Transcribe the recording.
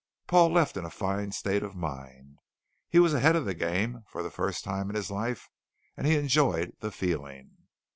Paul left in a fine state of mind. He was ahead of the game for the first time in his life and he enjoyed the feeling.